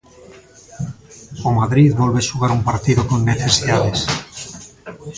O Madrid volve xogar un partido con necesidades.